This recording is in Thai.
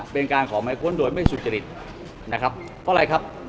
เป็นการขอหมายค้นโดยไม่สุจริตนะครับเพราะอะไรครับ